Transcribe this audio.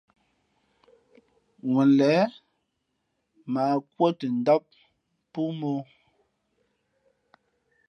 Wen lěʼ mα ǎ kūᾱ tα ndám póómᾱ ǒ.